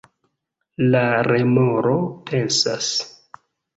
La remoro pensas: